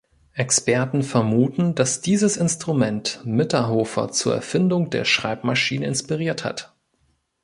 Experten vermuten, dass dieses Instrument Mitterhofer zur Erfindung der Schreibmaschine inspiriert hat.